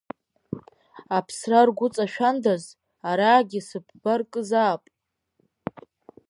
Аԥсра ргәыҵашәандаз, араагьы сыԥба ркызаап!